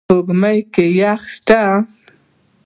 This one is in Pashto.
سپوږمۍ کې یخ شته